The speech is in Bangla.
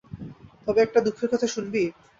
তবে, একটা দুঃখের কথা শুনবি?